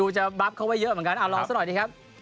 จะบรับเขาไว้เยอะเหมือนกันเอารอสักหน่อยสิครับ